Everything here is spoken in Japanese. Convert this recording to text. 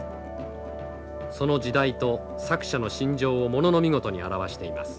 その時代と作者の心情を物の見事に表しています。